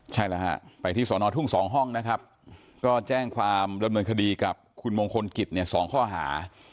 ใช่แล้วฮะไปที่สอนอทุ่ง๒ห้องนะครับก็แจ้งความดำเนินคดีกับคุณมงคลกิจเนี่ย๒ข้อหา